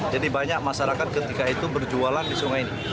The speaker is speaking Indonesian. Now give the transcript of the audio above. jadi banyak masyarakat ketika itu berjualan di sungai ini